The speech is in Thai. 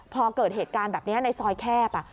พอเกิดเหตุการณ์แบบนี้ในซอยแคบ